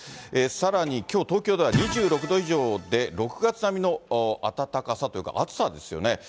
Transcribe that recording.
さらにきょう、東京では２６度以上で、６月並みの暖かさというか、暑さですよね。